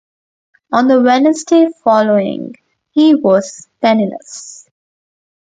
On the Wednesday following, he was penniless.